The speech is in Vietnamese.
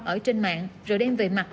ở trên mạng rồi đem về mặt